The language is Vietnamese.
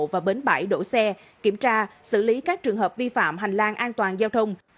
và bến bãi đổ xe kiểm tra xử lý các trường hợp vi phạm hành lang an toàn giao thông